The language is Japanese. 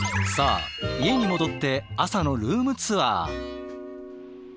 家に戻って朝のルームツアー。